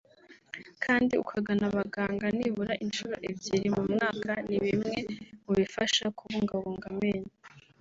kandi ukagana abaganga nibura inshuro ebyiri mu mwaka ni bimwe mu bifasha kubungabunga amenyo